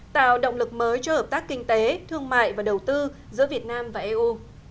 tạo động lực mới cho hợp tác kinh tế thương mại và đầu tư giữa việt nam và eu